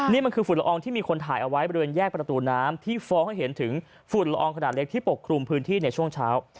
นี่มันคือฝุ่นละอองที่มีคนถ่ายเอาไว้บริเวณแยกประตูน้ำที่ฟ้องให้เห็นถึงฝุ่นละอองขนาดเล็กที่ปกคลุมพื้นที่ในช่วงเช้า